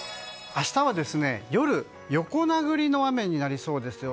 明日は夜横殴りの雨になりそうですよ。